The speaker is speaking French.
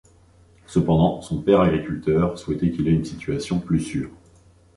Cependant, son père agriculteur souhaitait qu'il ait une situation plus sûre.